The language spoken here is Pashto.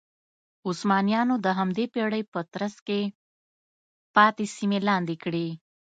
عثمانیانو د همدې پېړۍ په ترڅ کې پاتې سیمې لاندې کړې.